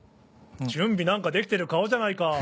準備できてる顔じゃないか。